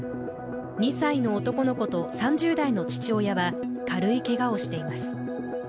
２歳の男の子と３０代の父親は軽いけがをしています。